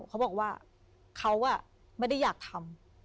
เขาบอกว่าเขาไม่ได้อยากทำ